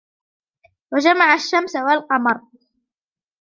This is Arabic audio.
وجمع الشمس والقمر